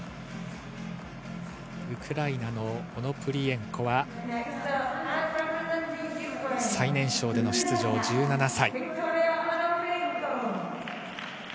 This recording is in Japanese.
ウクライナのオノプリエンコは最年少での出場１７歳。